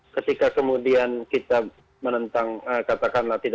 ketika kemudian kita menentang katakanlah tidak ada